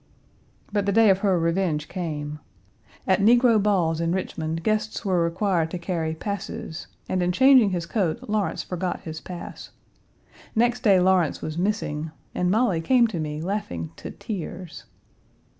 But the day of her revenge came. At negro balls in Richmond, guests were required to carry "passes," and, in changing his coat Lawrence forgot his pass. Next day Lawrence was missing, and Molly came to me laughing to tears.